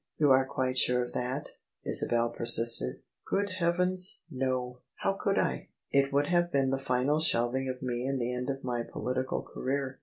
You are quite sure of that? " Isabel persisted. " Good heavens, no ! How could I ? It would have been the final shelving of me and the end of my political career.